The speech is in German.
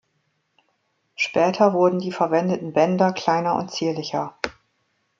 Später wurden die verwendeten Bänder kleiner und zierlicher.